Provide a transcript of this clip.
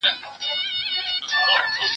خو باور ستا په ورورۍ به څنگه وکړم